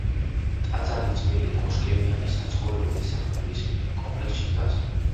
ტაძარი ძველი კოშკებიანი საცხოვრებელი სახლების კომპლექსში დგას.